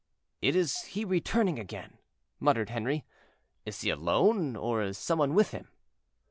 "It is he returning again," murmured Henri. "Is he alone, or is some one with him?"